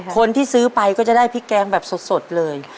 คนที่ซื้อไปก็จะได้พริกแกงแบบสดเลย